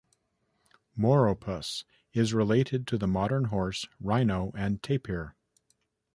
"Moropus" is related to the modern horse, rhino, and tapir.